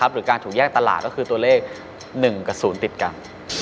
หรือการถูกแยกตลาดก็คือตัวเลข๑กับ๐ติดกัน